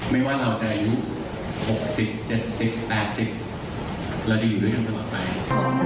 ไม่ว่าเราจะอายุ๖๐๗๐๘๐เราจะอยู่ด้วยกันตลอดไป